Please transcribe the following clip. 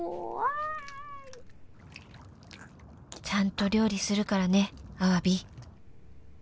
［ちゃんと料理するからねアワビ］